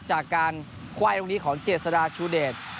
จากการไขว้ตรงนี้ของเจษฎาชูเดช